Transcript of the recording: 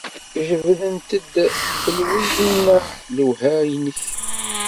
Jebdent-d tfelwiyin-a lwelha-nnek?